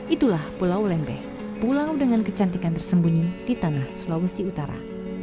itulah pulau lembeh pulau dengan kecantikan tersembunyi di tanah sulawesi utara